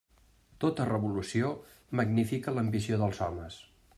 Tota revolució magnifica l'ambició dels homes.